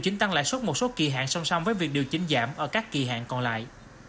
chỉnh tăng lãi suất một số kỳ hạn song song với việc điều chỉnh giảm ở các kỳ hạn còn lại